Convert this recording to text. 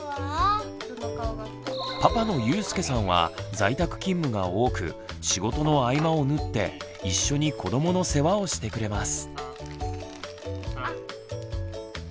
パパの佑輔さんは在宅勤務が多く仕事の合間を縫って一緒に子どもの世話をしてくれます。